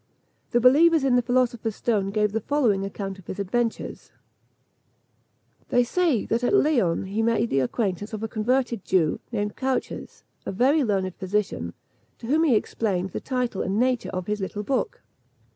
The believers in the philosopher's stone give the following account of his adventures: They say that at Leon he made the acquaintance of a converted Jew, named Cauches, a very learned physician, to whom he explained the title and nature of his little book.